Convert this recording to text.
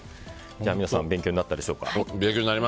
皆さん、勉強になったでしょうか。